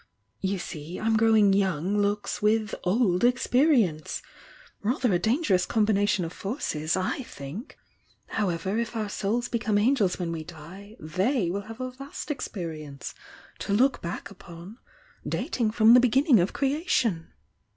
You see I'm growing young looks with old experience! — raflier a dangerous combination of forces, / think! — ^however, if our souls become angels when we die, they will have a vast experience to look back upon, dating from the beginning of creation!"